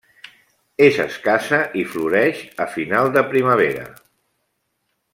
És escassa i floreix a final de primavera.